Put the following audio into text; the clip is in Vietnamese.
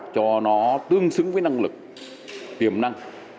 cho nó tương xứng với năng lực tiềm năng